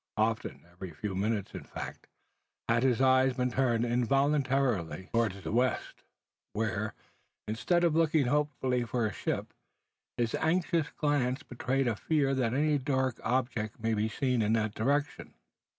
Often every few minutes in fact had his eyes been turned involuntarily towards the west, where, instead of looking hopefully for a ship, his anxious glance betrayed a fear that any dark object might be seen in that direction.